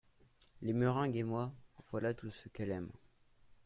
Les meringues et moi, voilà tout ce qu’elle aime.